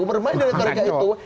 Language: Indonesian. bermain dari karya itu